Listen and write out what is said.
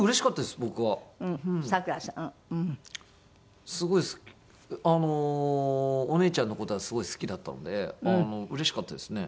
すごいお義姉ちゃんの事はすごい好きだったのでうれしかったですね。